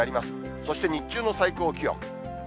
そして日中の最高気温。